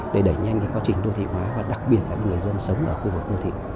để đẩy nhanh quá trình đô thị hóa và đặc biệt là người dân sống ở khu vực đô thị